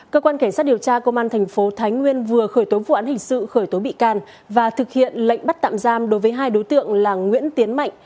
cơ quan cảnh sát điều tra công an thành phố thái nguyên vừa khởi tố vụ án hình sự khởi tố bị can và thực hiện lệnh bắt tạm giam đối với hai đối tượng là nguyễn tiến mạnh